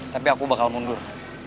tapi aku bakal mundur